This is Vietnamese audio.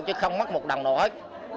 chứ không mắc một đồng nào hết